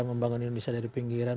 membangun indonesia dari pinggiran